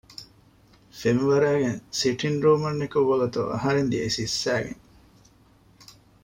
ފެންވަރައިގެން ސިޓިންގ ރޫމަށް ނިކުތް ވަގުތު އަހަރެން ދިޔައީ ސިއްސައިގެން